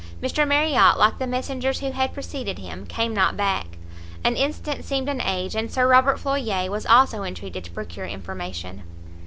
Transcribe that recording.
Mr Marriot, like the messengers who had preceded him, came not back; an instant seemed an age, and Sir Robert Floyer was also entreated to procure information.